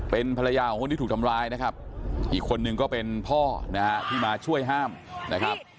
เป็นภรรยาของคนที่ถูกทำร้ายนะครับอีกคนนึงก็เป็นพ่อนะฮะที่มาช่วยห้ามนะครับ